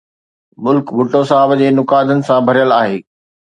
ملڪ ڀٽو صاحب جي نقادن سان ڀريل آهي.